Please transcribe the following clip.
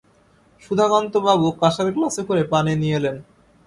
সুধাকান্তবাবু কাঁসার গ্লাসে করে পানি নিয়ে এলেন।